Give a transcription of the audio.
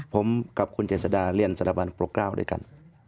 ผมกับคุณเจษดาเรียนสถาบันปรกกล้าวด้วยกัน